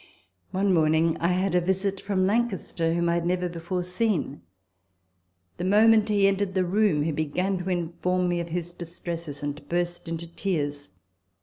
One morning I had a visit from Lancaster, whom I had never before seen. The moment he entered the room, he began to inform me of his distresses, and burst into tears.